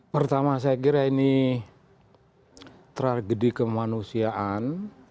pertama saya kira ini tragedi kemanusiaan